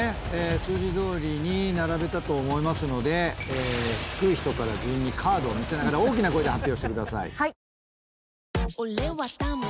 数字どおりに並べたと思うので低い人から順にカードを見せながら大きな声で発表してください。